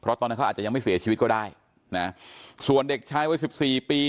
เพราะตอนนั้นเขาอาจจะยังไม่เสียชีวิตก็ได้